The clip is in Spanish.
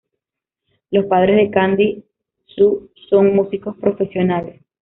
Los padres de Candy Hsu, son músicos profesionales.